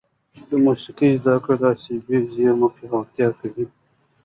د موسیقي زده کړه د عصبي زېرمو پیاوړتیا کوي.